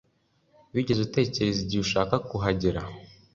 Wigeze utekereza igihe ushaka kuhagera